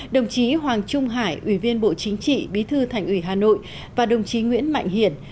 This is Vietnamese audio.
đồng chí hoàng trung hải ủy viên bộ chính trị bí thư thành ủy hà nội và đồng chí nguyễn mạnh hiển